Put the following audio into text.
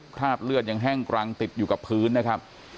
คราบเลือดยังแห้งกรังติดอยู่กับพื้นนะครับ